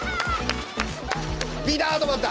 ピタッ止まった！